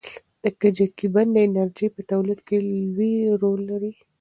د کجکي بند د انرژۍ په تولید کې لوی رول لري.